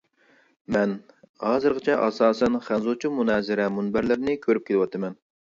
مەن ھازىرغىچە ئاساسەن خەنزۇچە مۇنازىرە مۇنبەرلىرىنى كۆرۈپ كېلىۋاتىمەن.